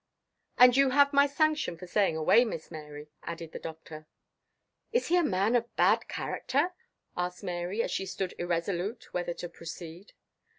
"And you have my sanction for staying away, Miss Mary," added the Doctor. "Is he a man of bad character?" asked Mary, as she stood irresolute whether to proceed.